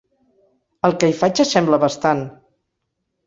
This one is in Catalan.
El que hi faig s'assembla bastant.